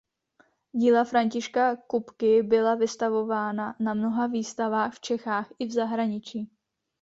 Díla Františka Kupky byla vystavována na mnoha výstavách v Čechách i v zahraničí.